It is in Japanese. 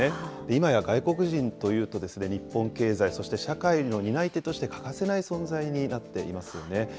今や外国人というと、日本経済、そして社会の担い手として欠かせない存在になっていますよね。